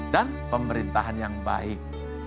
dan pemerintahan yang baik